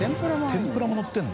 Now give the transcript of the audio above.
天ぷらものってるの？